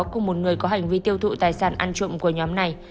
cùng một người có hành vi tiêu thụ tài sản ăn trộm của nhóm này